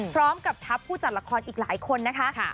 พร้อมกับทัพผู้จัดละครอีกหลายคนนะคะ